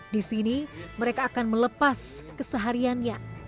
di sini mereka akan melepas kesehariannya